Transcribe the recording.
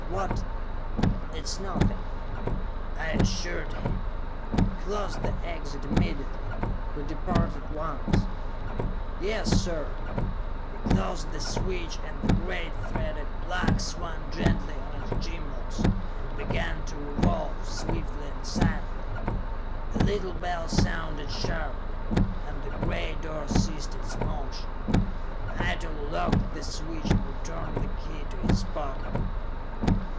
"What " "It's nothing," I assured him. "Close the exit immediately; we depart at once." "Yes, sir!" He closed the switch, and the great threaded plug swung gently on its gimbals and began to revolve, swiftly and silently. A little bell sounded sharply, and the great door ceased its motion. Eitel locked the switch and returned the key to his pocket.